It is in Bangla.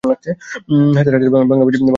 হাজার হাজার বাংলাভাষী মানুষ কারাবরণ করে।